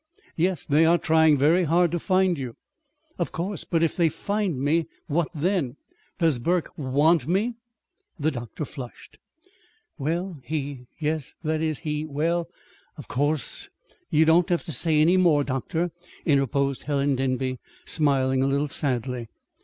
"Yes. They are trying very hard to find you." "Of course. But if they find me what then? Does Burke want me?" The doctor flushed. "Well, he yes that is, he well, of course " "You don't have to say any more, doctor," interposed Helen Denby, smiling a little sadly.